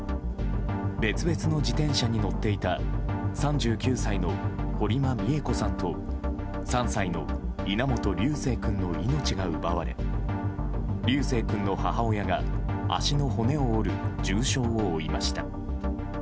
別々の自転車に乗っていた３９歳の堀間美恵子さんと３歳の稲本琉正君の命が奪われ琉正君の母親が足の骨を折る重傷を負いました。